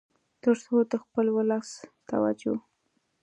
تر څو د خپل ولس توجه